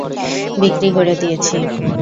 বিক্রি করে দিয়েছি।